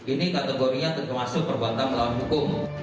ini kategorinya termasuk perbuatan melawan hukum